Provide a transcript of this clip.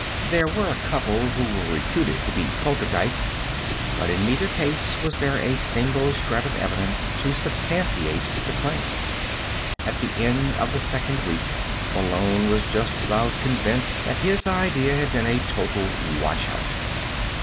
There were a couple who were reputed to be poltergeists but in neither case was there a single shred of evidence to substantiate the claim. At the end of the second week, Malone was just about convinced that his idea had been a total washout.